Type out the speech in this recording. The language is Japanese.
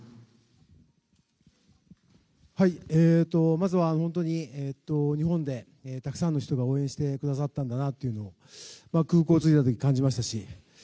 まずは本当に日本でたくさんの人が応援してくださったんだなというのを空港に着いた時、感じましたし